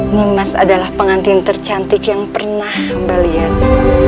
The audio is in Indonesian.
ini mas adalah pengantin tercantik yang pernah mba lihat